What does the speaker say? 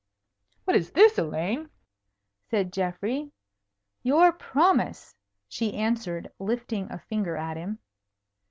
"What is this, Elaine?" said Geoffrey. "Your promise!" she answered, lifting a finger at him.